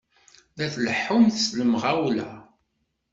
La tleḥḥumt s lemɣawla!